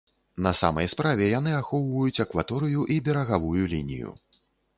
На самай справе, яны ахоўваюць акваторыю і берагавую лінію.